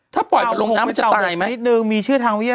ถ้าปล่อยตัวน้ำมาลงน้ำมันจะตายมั้ย